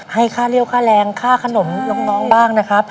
ให้ค่าเรี่ยวค่าแรงค่าขนมน้องบ้างนะครับ